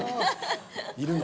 いるの？